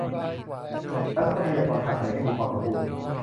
และทรัพยากรทางทะเลให้มีความสมบูรณ์